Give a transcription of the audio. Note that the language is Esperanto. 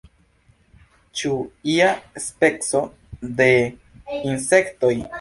Ĉu ia speco de insektoj?